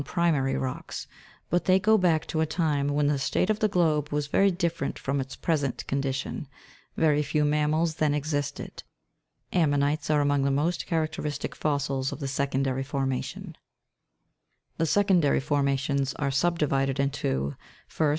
primary rocks ; but they go back to a time when the state of the globe was very different from its present condition ; very few mammals then existed ; ammonites are among the most characteristic fossils of the secondary formation : The secondary formations are subdivided into, 1st.